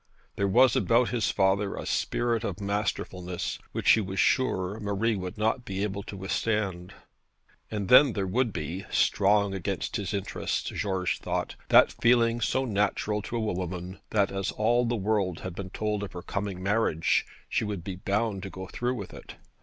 There was about his father a spirit of masterfulness, which he was sure Marie would not be able to withstand. And then there would be strong against his interests, George thought that feeling so natural to a woman, that as all the world had been told of her coming marriage, she would be bound to go through with it.